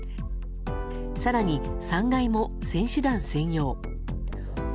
更に、３階も選手団専用。